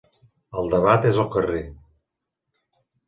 El debat és al carrer.